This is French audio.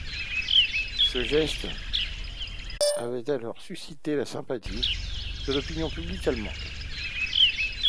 Ce geste avait alors suscité la sympathie de l'opinion publique allemande.